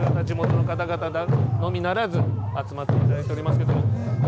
地元の方々のみならず集まっていただいておりますけど。